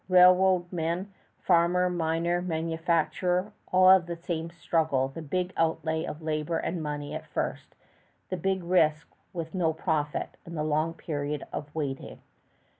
Railroad man, farmer, miner, manufacturer, all had the same struggle, the big outlay of labor and money at first, the big risk and no profit, the long period of waiting.